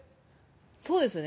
そうですね。